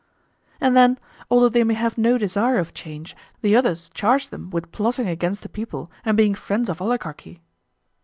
And then, although they may have no desire of change, the others charge them with plotting against the people and being friends of oligarchy?